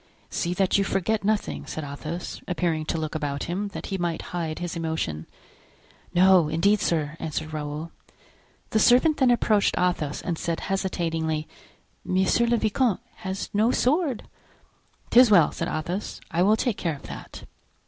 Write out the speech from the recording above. "See that you forget nothing," said Athos, appearing to look about him, that he might hide his emotion. "No, indeed, sir," answered Raoul. The servant then approached Athos and said, hesitatingly: "Monsieur le vicomte has no sword." "'Tis well," said Athos, "I will take care of that."